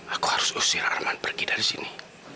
aku harus usir arman pergi dari sini